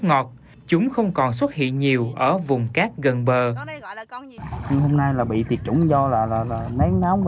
ngọt chúng không còn xuất hiện nhiều ở vùng cát gần bờ hôm nay là bị tiệt chủng do là nén nóng và